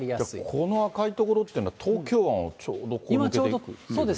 この赤い所っていうのは、東京湾をちょうど抜けてくるんです